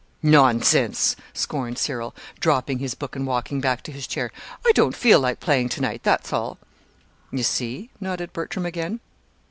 "Nonsense!" scorned Cyril, dropping his book and walking back to his chair. "I don't feel like playing to night; that's all." "You see," nodded Bertram again.